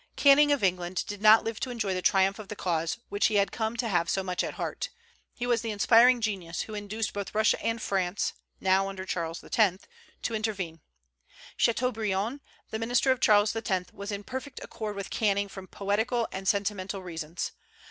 Canning of England did not live to enjoy the triumph of the cause which he had come to have so much at heart. He was the inspiring genius who induced both Russia and France (now under Charles X.) to intervene. Chateaubriand, the minister of Charles X., was in perfect accord with Canning from poetical and sentimental reasons.